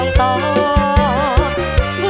หน้ากาก็เห็น